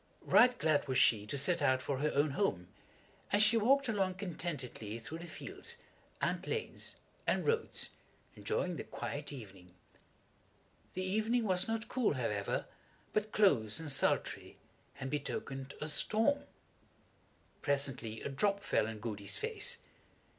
Right glad was she to set out for her own home, and she walked along contentedly through the fields, and lanes, and roads, enjoying the quiet evening. The evening was not cool, however, but close and sultry, and betokened a storm. Presently a drop fell on Goody's face.